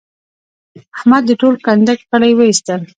احمد د ټول کنډک غړي واېستل.